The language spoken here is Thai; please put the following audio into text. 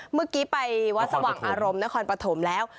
เมื่อกี้ไปวัดสว่างอารมณ์นครปฐมแล้ว